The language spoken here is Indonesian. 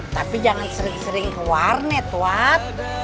tapi jangan sering sering warnet wat